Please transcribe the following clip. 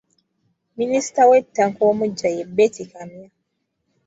Minisita w'ettaka omuggya ye Beti Kamya.